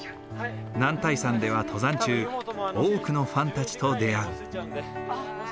男体山では登山中多くのファンたちと出会う。